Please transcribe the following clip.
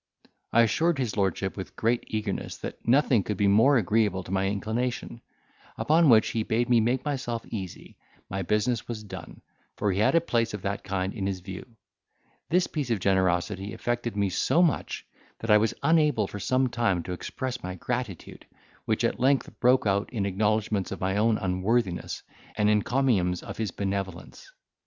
I assured his lordship, with great eagerness, that nothing could be more agreeable to my inclination: upon which he bade me make myself easy, my business was done, for he had a place of that kind in his view. This piece of generosity affected me so much, that I was unable for some time to express my gratitude, which at length broke out in acknowledgments of my own unworthiness, and encomiums on his benevolence.